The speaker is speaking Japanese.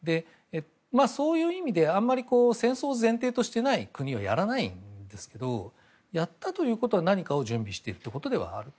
そういう意味で戦争を前提としていない国はやらないんですけどやったということは何かを準備していることだと。